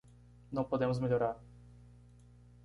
Não podemos melhorar